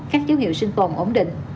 các dấu hiệu sinh tồn ổn định